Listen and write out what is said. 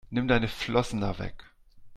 Nimm deine Flossen da weg!